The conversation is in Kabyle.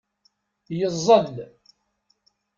Yeẓẓel.